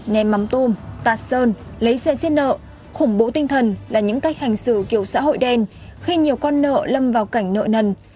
ném mắm tôm tạt sơn lấy xe xiết nợ khủng bố tinh thần là những cách hành xử kiểu xã hội đen khi nhiều con nợ lâm vào cảnh nợ nần